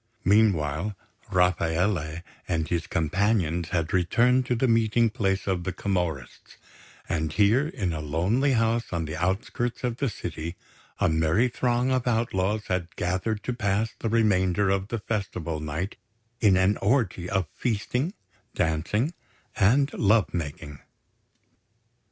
Meanwhile, Rafaele and his companions had returned to the meeting place of the Camorrists; and here, in a lonely house on the outskirts of the city, a merry throng of outlaws had gathered to pass the remainder of the Festival night in an orgy of feasting, dancing and love making.